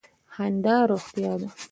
خندا روغتیا ده.